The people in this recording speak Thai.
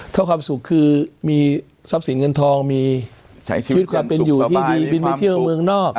ถ้าความสุขคือมีทรัพย์สินเงินทองมีชีวิตความเป็นอยู่ที่ดีบินไปเที่ยวเมืองนอก